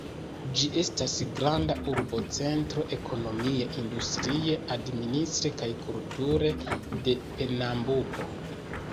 Ĝi estas granda urba centro, ekonomie, industrie, administre kaj kulture, de Pernambuko.